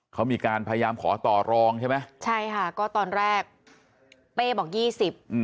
เขามีการพยายามขอต่อรองใช่ไหมใช่ค่ะก็ตอนแรกเป้บอกยี่สิบอืม